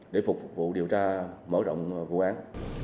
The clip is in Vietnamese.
để phục vụ điều tra mở rộng vụ án